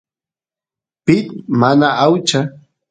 pit mana aucha